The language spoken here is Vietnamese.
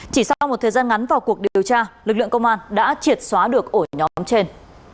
chỉ sau một thời gian ngắn vào cuộc điều tra lực lượng công an đã triệt xóa được ổ nhóm trên